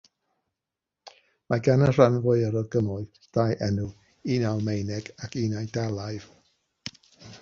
Mae gan y rhan fwyaf o gymoedd ddau enw, un Almaeneg ac un Eidalaidd.